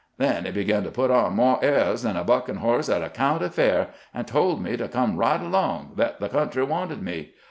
Then he begun to put on more airs than a buckin' hoss at a county fair, and told me to come right along — that the country wanted me.